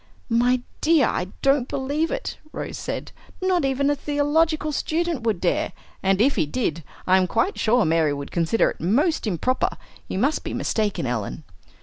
"My dear, I don't believe it," Rose said, "not even a theological student would dare! and if he did, I am quite sure Mary would consider it most improper. You must be mistaken, Ellen."